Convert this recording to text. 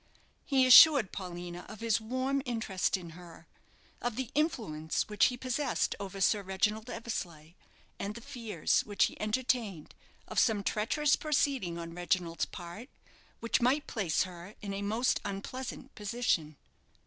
He assured Paulina of his warm interest in her, of the influence which he possessed over Sir Reginald Eversleigh, and the fears which he entertained of some treacherous proceeding on Reginald's part which might place her in a most unpleasant position.